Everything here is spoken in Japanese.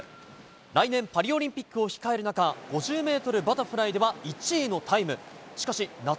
来年、パリオリンピックを控える中、５０メートルバタフライでは１位のタイム。